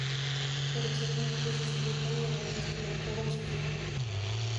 Pero sufre una crisis espiritual y de valores que le empuja al suicidio.